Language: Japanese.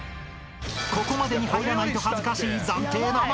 ［ここまでに入らないと恥ずかしい］